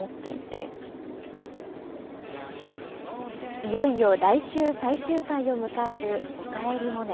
いよいよ来週、最終回を迎えるおかえりモネ。